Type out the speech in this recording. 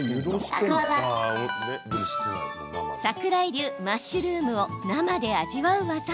桜井流マッシュルームを生で味わう技。